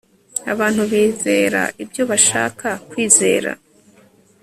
abantu bizera ibyo bashaka kwizera